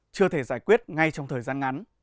chưa thể giải quyết ngay trong thời gian ngắn